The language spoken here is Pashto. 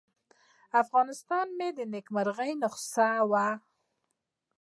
افغانستان مې د نیکمرغۍ نسخه وه.